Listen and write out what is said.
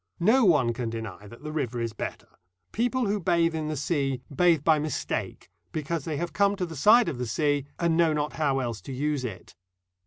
No one can deny that the river is better. People who bathe in the sea bathe by mistake, because they have come to the side of the sea, and know not how else to use it.